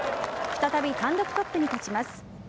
再び単独トップに立ちます。